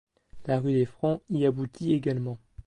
La rue des Francs y abouti également.